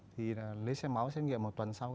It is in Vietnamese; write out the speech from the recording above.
thì lấy xét máu xét nghiệm một tuần sau